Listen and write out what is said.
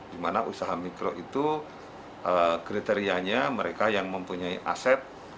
dimana usaha mikro itu kriterianya mereka yang mempunyai aset